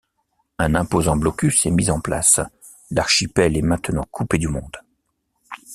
Un imposant blocus est mis en place, l'archipel est maintenant coupé du monde.